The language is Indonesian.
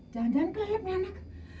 jangan jangan kelelep nih anak